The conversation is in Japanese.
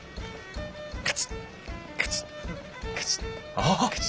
あっ！